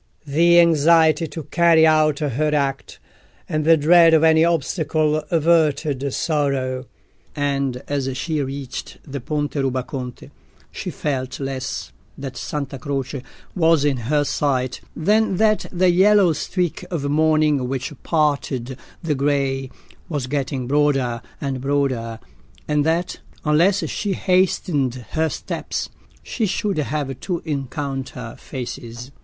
The anxiety to carry out her act, and the dread of any obstacle, averted sorrow; and as she reached the Ponte Rubaconte, she felt less that Santa Croce was in her sight than that the yellow streak of morning which parted the grey was getting broader and broader, and that, unless she hastened her steps, she should have to encounter faces.